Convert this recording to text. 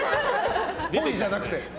ぽいじゃなくて。